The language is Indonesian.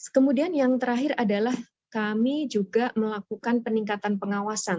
kemudian yang terakhir adalah kami juga melakukan peningkatan pengawasan